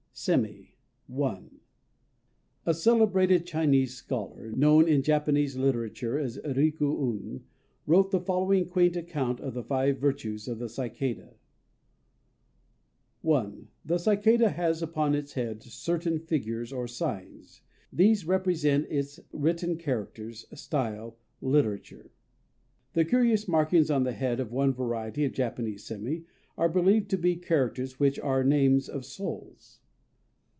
_ I A CELEBRATED Chinese scholar, known in Japanese literature as Riku Un, wrote the following quaint account of the Five Virtues of the Cicada: "I. The Cicada has upon its head certain figures or signs. These represent its [written] characters, style, literature. The curious markings on the head of one variety of Japanese sémi are believed to be characters which are names of souls.